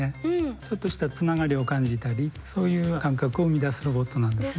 ちょっとしたつながりを感じたりそういう感覚を生み出すロボットなんですね。